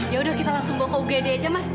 yaudah kita langsung bawa ke ugd aja mas